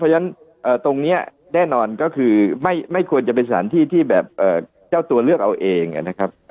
เพราะฉะนั้นตรงนี้แน่นอนก็คือไม่ควรจะเป็นสถานที่ที่แบบเจ้าตัวเลือกเอาเองนะครับ